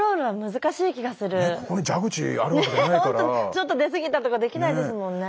ちょっと出すぎたとかできないですもんね。